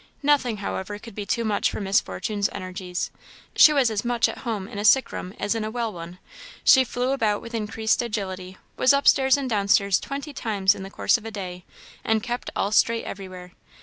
Nothing, however, could be too much for Miss Fortune's energies; she was as much at home in a sick room as in a well one. She flew about with increased agility; was upstairs and downstairs twenty times in the course of a day, and kept all straight everywhere.